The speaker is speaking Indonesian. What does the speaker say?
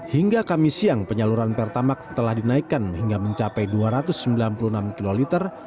hingga kamis siang penyaluran pertamak telah dinaikkan hingga mencapai dua ratus sembilan puluh enam kiloliter